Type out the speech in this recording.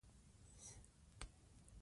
ما تر دې مخکې د علق سورت تفسیر نه و لوستی.